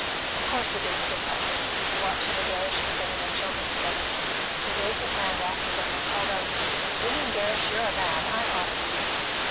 "Of course it is," said Putney, watching the Gerrishes getting their children together. He waved his hand after them, and called out, "William Gerrish, you're a man; I honour you."